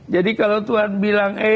jadi kalau tuhan bilang